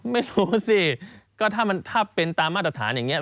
ไม่รู้สิก็ถ้าเป็นตามมาตรฐานอย่างนี้